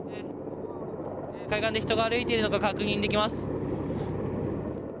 海岸で人が歩いてるのが確認できます。